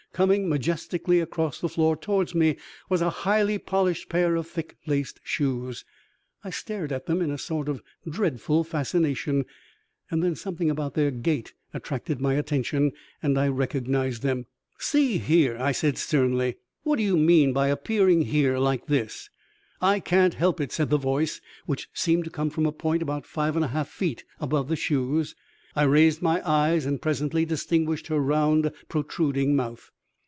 Coming majestically across the floor towards me was a highly polished pair of thick laced shoes. I stared at them in a sort of dreadful fascination, and then something about their gait attracted my attention and I recognized them. "See here," I said sternly. "What do you mean by appearing here like this?" "I can't help it," said the voice, which seemed to come from a point about five and a half feet above the shoes. I raised my eyes and presently distinguished her round protruding mouth.